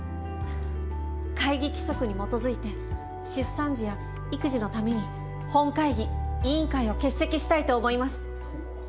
会議規則に基づいて、出産時や育児のために、本会議・委員会を欠席したいと思います。